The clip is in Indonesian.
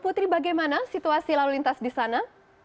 putri bagaimana situasi lalu lintas di sana